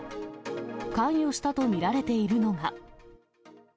関与したと見られているのが。